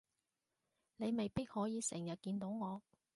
你未必可以成日見到我